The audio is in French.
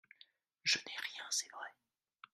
Je n’ai rien, c’est vrai !